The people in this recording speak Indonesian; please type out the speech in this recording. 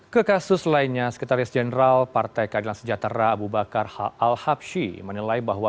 ke kasus lainnya sekretaris jenderal partai keadilan sejahtera abu bakar al habshi menilai bahwa